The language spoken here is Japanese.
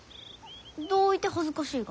どういて恥ずかしいが？